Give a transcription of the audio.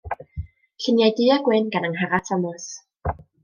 Lluniau du-a-gwyn gan Angharad Tomos.